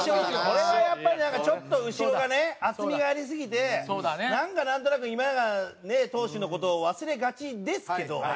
これはやっぱりなんかちょっと後ろがね厚みがありすぎてなんとなく今永投手の事を忘れがちですけど。